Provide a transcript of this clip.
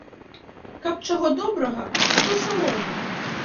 Каб чаго добрага, а то саломы!